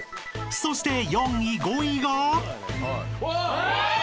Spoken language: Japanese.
［そして４位５位が？］